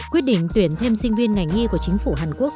quyết định tuyển thêm sinh viên ngành y của chính phủ hàn quốc